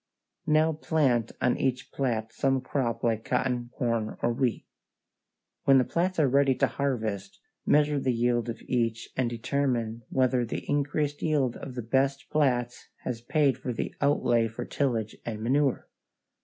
Now plant on each plat some crop like cotton, corn, or wheat. When the plats are ready to harvest, measure the yield of each and determine whether the increased yield of the best plats has paid for the outlay for tillage and manure.